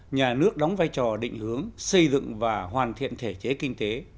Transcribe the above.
nhà nước đóng vai trò định hướng xây dựng và hoàn thiện thể chế kinh tế